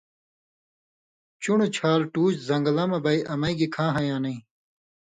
چُن٘ڑوۡ چھال ٹو زن٘گلہ مہ بئ امَیں گی کھا ہَیں یاں نَیں